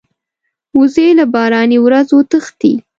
وزې له باراني ورځو تښتي